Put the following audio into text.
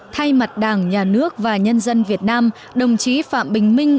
thay mặt đảng nhà nước và nhân dân việt nam đồng chí phạm bình minh